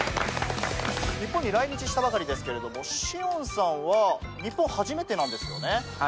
日本に来日したばかりですけれどもシオンさんは日本初めてなんですよね？